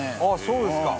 そうですか。